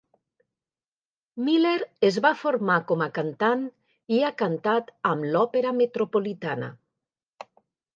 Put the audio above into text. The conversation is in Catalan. Miller es va formar com a cantant, i ha cantat amb l'Opera Metropolitana.